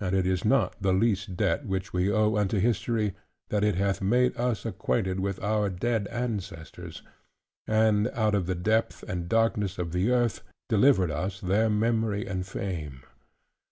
And it is not the least debt which we owe unto history, that it hath made us acquainted with our dead ancestors; and, out of the depth and darkness of the earth, delivered us their memory and fame.